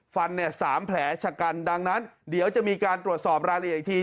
ฟันเนี่ย๓แผลชะกันดังนั้นเดี๋ยวจะมีการตรวจสอบรายละเอียดอีกที